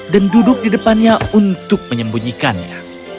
dan duduk di depannya untuk menyembunyikannya